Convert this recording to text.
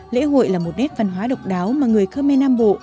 lễ hội là một nét văn hóa độc đáo mà người khmer nam bộ